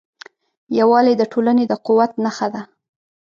یووالی د ټولنې د قوت نښه ده.